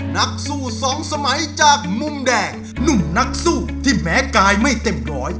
นักสู้สองสมัยจากมุมแดงหนุ่มนักสู้ที่แม้กายไม่เต็มร้อย